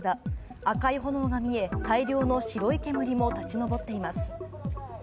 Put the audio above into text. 赤い炎が見え、大量の白い煙も立ち上っています。